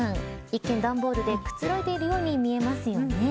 一見、段ボールでくつろいでいるように見えますよね。